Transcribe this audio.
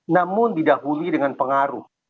namun didahului dengan pengaruh